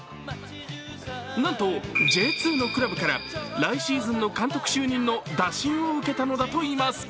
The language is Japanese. なんと、Ｊ２のくらぶから来シーズンの監督就任の打診を受けたのだといいます。